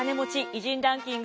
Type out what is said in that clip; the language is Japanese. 偉人ランキング